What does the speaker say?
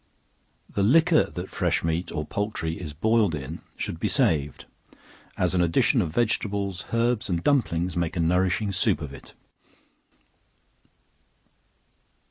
The liquor that fresh meat, or poultry, is boiled in, should be saved, as an addition of vegetables, herbs, and dumplings make a nourishing soup of it.